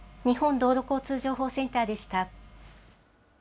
日本道路交通情報センターでした。